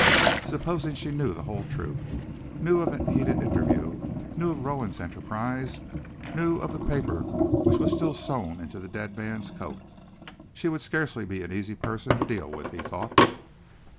Supposing she knew the whole truth, knew of that heated interview, knew of Rowan's enterprise, knew of the paper which was still sewn into the dead man's coat! She would scarcely be an easy person to deal with, he thought.